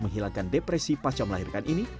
menghilangkan depresi pasca melahirkan ini